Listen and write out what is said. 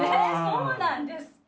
そうなんです。